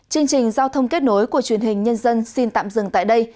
chương trình giao thông kết nối của truyền hình nhân dân xin tạm dừng tại đây